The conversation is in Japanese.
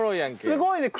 すごいね！